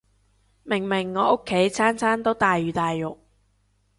明明我屋企餐餐都大魚大肉